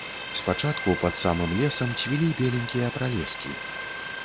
Спачатку пад самым лесам цвілі беленькія пралескі.